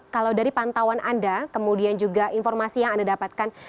kalau dari pantauan anda kemudian juga informasi yang anda dapatkan